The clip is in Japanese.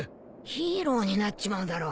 ヒーローになっちまうだろ